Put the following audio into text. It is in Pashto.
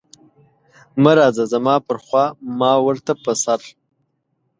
مه راځه زما پر خوا ما ورته په سر.